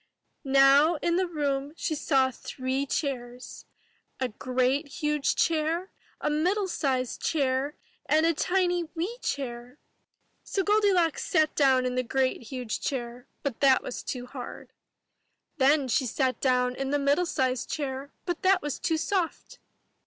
Now in the room she saw three chairs, — a great huge chair, a middle sized chair, and a tiny wee chair. So Goldilocks sat down in the great huge chair, but that was too hard. Then she sat down in the middle sized chair, but that was too soft.